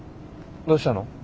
どうしたの？